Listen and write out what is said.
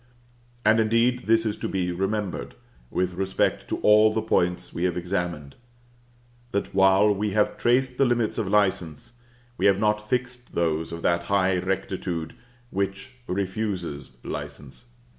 And, indeed, this is to be remembered, with respect to all the points we have examined; that while we have traced the limits of license, we have not fixed those of that high rectitude which refuses license.